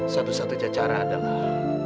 satu satunya cara adalah